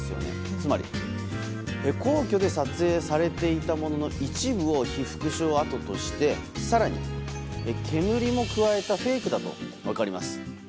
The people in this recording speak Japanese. つまり、皇居で撮影されていたものの一部を被服廠跡として更に、煙も加えたフェイクだと思います。